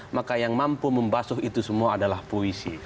maka yang mampu membasuh itu semua adalah puisi